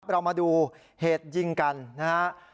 เรามาดูเหตุยิงกันนะครับ